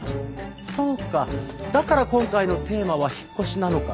「そうかだから今回のテーマは引っ越しなのか」